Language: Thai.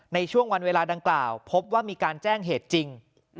ในช่วงวันเวลาดังกล่าวพบว่ามีการแจ้งเหตุจริง